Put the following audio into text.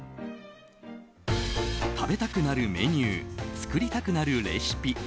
食べたくなるメニュー作りたくなるレシピ。